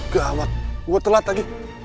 gawat gue telat lagi